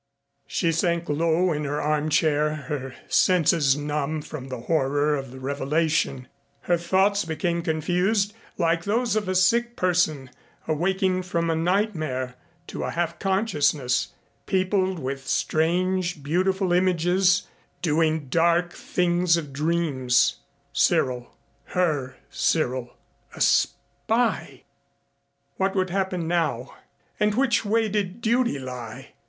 She sank low in her armchair, her senses numb from the horror of the revelation. Her thoughts became confused like those of a sick person awaking from a nightmare to a half consciousness, peopled with strange beautiful images doing the dark things of dreams. Cyril her Cyril a spy! What would happen now. And which way did duty lie?